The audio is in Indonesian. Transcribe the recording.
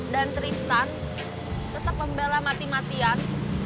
dan tristan tetep membela mati matian